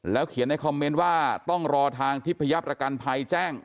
เขียนในคอมเมนต์ว่าต้องรอทางทิพยประกันภัยแจ้ง